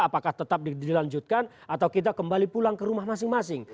apakah tetap dilanjutkan atau kita kembali pulang ke rumah masing masing